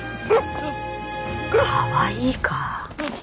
かわいいか？